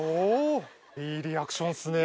いいリアクションっすね。